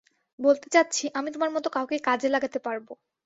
বলতে চাচ্ছি, আমি তোমার মতো কাউকে কাজে লাগাতে পারব।